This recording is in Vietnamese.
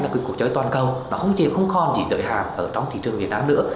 là cuộc chơi toàn cầu nó không chỉ dợi hàm ở trong thị trường việt nam nữa